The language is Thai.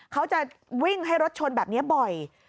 เขาจะวิ่งให้รถชนแบบนี้บ่อย